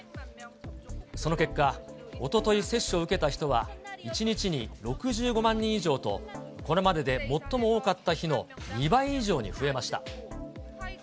その結果、おととい接種を受けた人は、１日に６５万人以上と、これまでで最も多かった日の２倍以上に増えました。